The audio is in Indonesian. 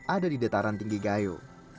ada di dataran tinggi gayo